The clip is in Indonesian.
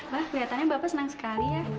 wah kelihatannya bapak senang sekali ya